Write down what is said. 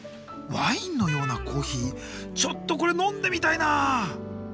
ワインのようなコーヒーちょっとこれ飲んでみたいな！